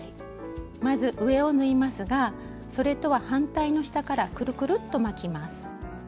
まず上を縫いますがそれとは反対の下からくるくるっと巻きます。